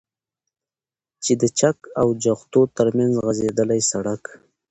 چې د چك او جغتو ترمنځ غځېدلى سړك